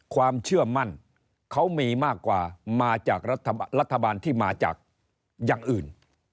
ความเชื่อมั่นเขามีมากกว่ามาจากรัฐบาลที่มาจากอย่างอื่น